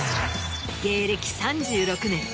芸歴３６年。